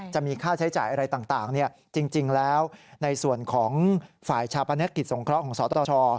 จริงแล้วในส่วนของฝ่ายชาปนกิจสงเคราะห์ของสตช